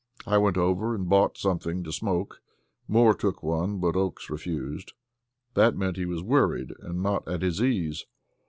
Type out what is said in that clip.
I went over and bought something to smoke. Moore took one, but Oakes refused. That meant he was worried, and not at his ease.